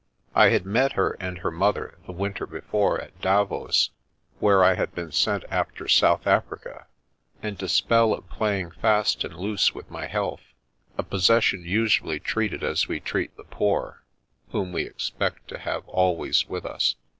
I had met her and her mother the winter before at Davos, where I had been sent after South Africa, and a spell of playing fast and loose with my health — ^a possession usually treated as we treat the poor, whom we expect to have always with us.